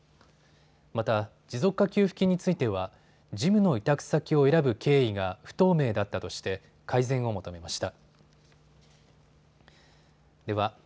また、持続化給付金については事務の委託先を選ぶ経緯が不透明だったとして改善を求めました。